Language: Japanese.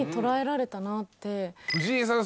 藤井さん